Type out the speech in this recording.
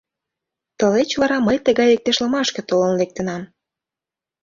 Тылеч вара мый тыгай иктешлымашке толын лектынам: